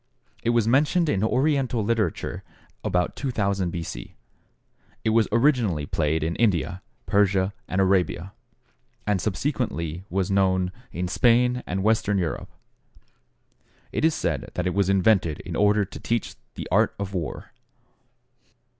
It was mentioned in Oriental literature about 2000 B. C. It was originally played in India, Persia, and Arabia, and subsequently was known in Spain and Western Europe. It is said that it was invented in order to teach the art of war.